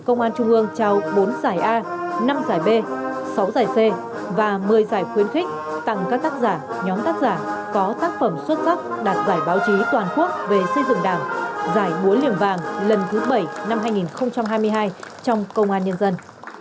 công an trung ương trao bốn giải a năm giải b sáu giải c và một mươi giải khuyến khích tặng các tác giả nhóm tác giả có tác phẩm xuất sắc đạt giải báo chí toàn quốc về xây dựng đảng giải búa liềm vàng lần thứ bảy năm hai nghìn hai mươi hai trong công an nhân dân